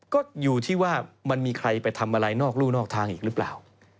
ก็อยู่ที่ว่ามีใครทำอะไรง่ายทางอีกป่าว